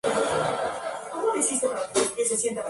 La comunidad científica no llega a un consenso sobre muchas otras.